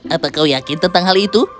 apa kau yakin tentang hal itu